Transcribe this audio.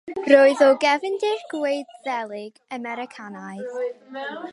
Roedd o gefndir Gwyddelig Americanaidd.